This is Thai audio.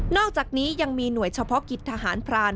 อกจากนี้ยังมีหน่วยเฉพาะกิจทหารพราน